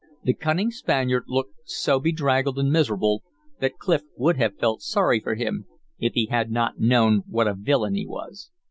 The cunning Spaniard looked so bedraggled and miserable that Clif would have felt sorry for him if he had not known what a villain he was.